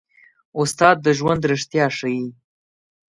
استاد د ژوند رښتیا ښيي.